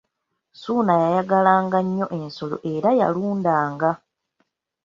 Ssuuna yayagalanga nnyo ensolo era yalundanga: